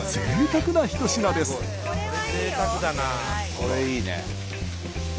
これいいね。